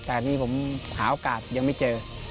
แต่อันนี้ผมหาโอกาสยังไม่เจอ